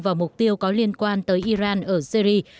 và mục tiêu có liên quan tới iran ở syri